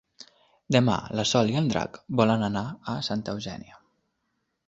Demà na Sol i en Drac volen anar a Santa Eugènia.